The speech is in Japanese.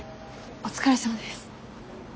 お疲れさまです。